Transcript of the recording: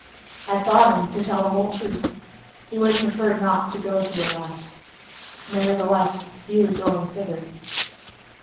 At bottom, to tell the whole truth, he would have preferred not to go to Arras. Nevertheless, he was going thither.